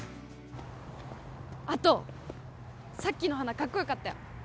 あと、さっきの花かっこよかったよ。